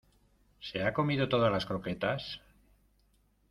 ¿ se ha comido todas las croquetas?